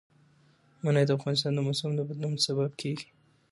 منی د افغانستان د موسم د بدلون سبب کېږي.